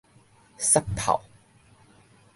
捒炮